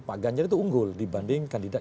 pak ganjar itu unggul dibanding kandidat